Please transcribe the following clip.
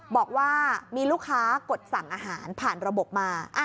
บอกว่ามีลูกค้ากดสั่งอาหารผ่านระบบมา